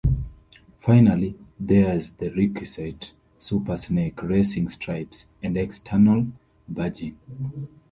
Finally, there's the requisite Super Snake racing stripes and external badging.